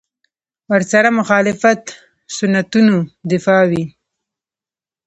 ورسره مخالفت سنتونو دفاع وي.